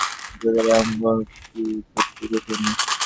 যোগের এই অঙ্গটি সব চেয়ে গুরুত্বপূর্ণ।